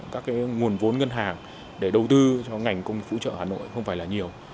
các nguồn vốn ngân hàng để đầu tư cho ngành công trợ hà nội không phải là nhiều